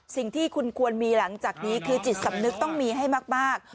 สิ่งที่คุณควรมีหลังจากนี้คือจิตสำนึกต้องมีให้มาก